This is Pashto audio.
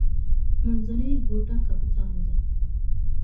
منځنۍ ګوته کاپیټانو ده.